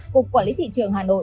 cục quản lý thị trường hà nội